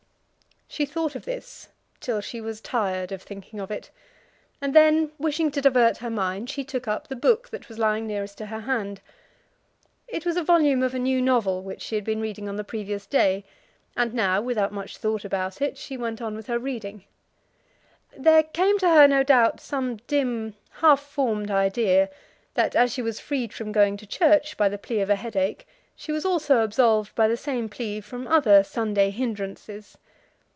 She thought of this till she was tired of thinking of it, and then, wishing to divert her mind, she took up the book that was lying nearest to her hand. It was a volume of a new novel which she had been reading on the previous day, and now, without much thought about it, she went on with her reading. There came to her, no doubt, some dim, half formed idea that, as she was freed from going to church by the plea of a headache, she was also absolved by the same plea from other Sunday hindrances.